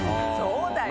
そうだよ。